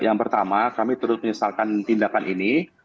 yang pertama kami turut menyesalkan tindakan ini